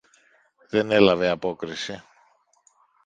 Δεν έλαβε απόκριση.